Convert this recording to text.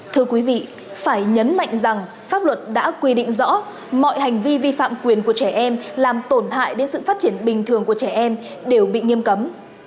thưa quý vị phải nhấn mạnh rằng pháp luật đã quy định rõ mọi hành vi vi phạm quyền của trẻ em làm tổn hại đến sự phát triển bình thường của trẻ em đều bị nghiêm cấm